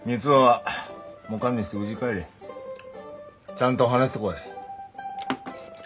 ちゃんと話してこい。